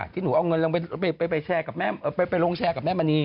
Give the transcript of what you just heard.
ที่หนูเอาเงินไปลงแชร์กับแม่มณี